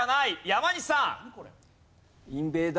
山西さん。